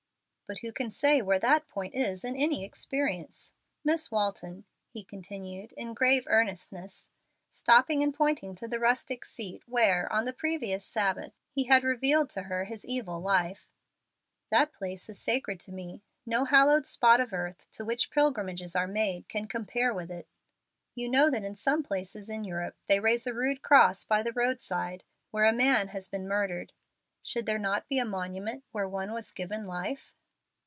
"But who can say where that point is in any experience? Miss Walton," he continued, in grave earnestness, stopping and pointing to the rustic seat where, on the previous Sabbath, he had revealed to her his evil life, "that place is sacred to me. No hallowed spot of earth to which pilgrimages are made can compare with it. You know that in some places in Europe they raise a rude cross by the roadside where a man has been murdered. Should there not be a monument where one was given life?"